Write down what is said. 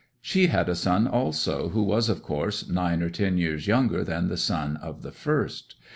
She had a son also, who was, of course, nine or ten years younger than the son of the first.